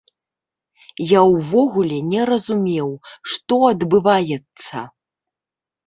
Я ўвогуле не разумеў, што адбываецца.